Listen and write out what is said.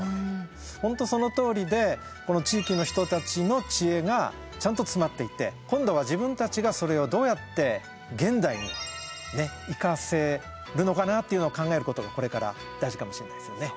本当そのとおりでこの地域の人たちの知恵がちゃんと詰まっていて今度は自分たちがそれをどうやって現代にいかせるのかなっていうのを考えることがこれから大事かもしれないですよね。